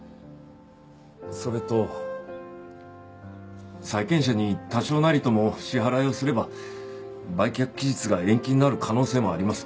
それと債権者に多少なりとも支払いをすれば売却期日が延期になる可能性もあります。